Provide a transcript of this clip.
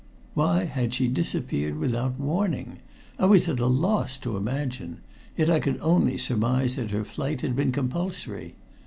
Why had she disappeared without warning I was at loss to imagine, yet I could only surmise that her flight had been compulsory.